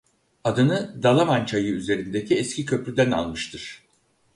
Adını Dalaman Çayı üzerindeki eski köprüden almıştır.